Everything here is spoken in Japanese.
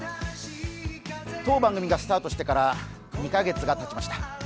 当番組がスターとしてから２カ月がたちました